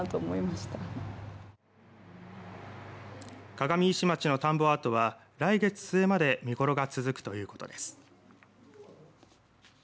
鏡石町の田んぼアートは来月末まで見頃が続くということです。